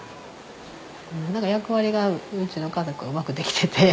何か役割がうちの家族はうまくできてて。